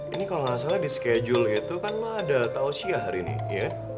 ini kalo gak salah di schedule gitu kan lo ada tausiah hari ini ya